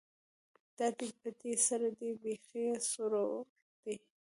ـ دا دې پټي سر دى ،بېخ يې سورور دى.